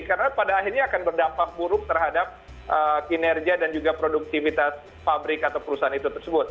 karena pada akhirnya akan berdampak buruk terhadap kinerja dan juga produktivitas pabrik atau perusahaan itu tersebut